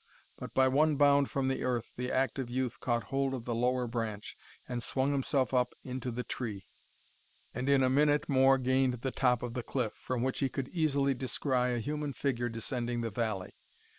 But by one bound from the earth, the active youth caught hold of the lower branch, and swung himself up into the tree, and in a minute more gained the top of the cliff, from which he could easily descry a human figure descending the valley.